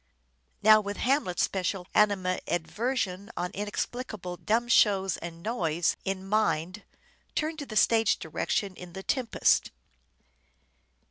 Now, with Hamlet's special animadversion on " inexplicable dumb shows and noise " in mind, turn to the stage directions in "The Tempest."